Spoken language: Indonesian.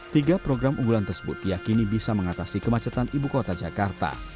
tiga program unggulan tersebut diakini bisa mengatasi kemacetan ibu kota jakarta